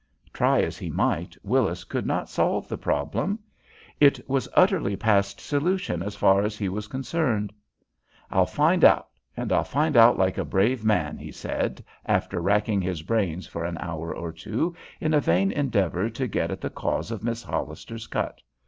Try as he might, Willis could not solve the problem. It was utterly past solution as far as he was concerned. "I'll find out, and I'll find out like a brave man," he said, after racking his brains for an hour or two in a vain endeavor to get at the cause of Miss Hollister's cut.